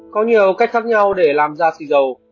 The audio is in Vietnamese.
có nhiều cách khác nhau để làm ra sinh dầu